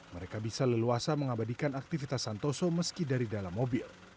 mereka bisa leluasa mengabadikan aktivitas santoso meski dari dalam mobil